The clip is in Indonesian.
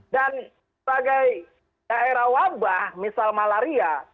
dan sebagai daerah wabah misal malaria